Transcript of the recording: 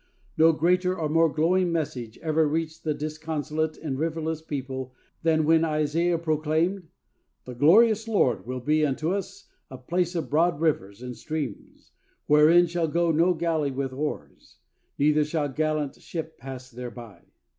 No greater or more glowing message ever reached the disconsolate and riverless people than when Isaiah proclaimed, 'The glorious Lord will be unto us a place of broad rivers and streams, wherein shall go no galley with oars, neither shall gallant ship pass thereby!'